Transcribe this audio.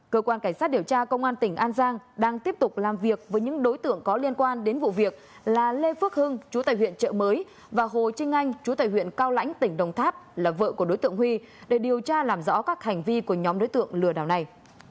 cơ quan cảnh sát điều tra công an tỉnh an giang đang tiếp tục làm việc với những đối tượng có liên quan đến vụ việc là lê phước hưng chú tại huyện trợ mới và hồ trinh anh chú tại huyện cao lãnh tỉnh đồng tháp là vợ của đối tượng huy để điều tra làm rõ các hành vi của nhóm đối tượng lừa đảo này